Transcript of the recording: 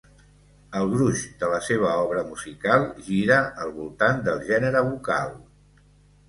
El gruix de la seva obra musical gira al voltant del gènere vocal.